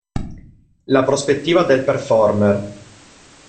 La prospettiva del performer".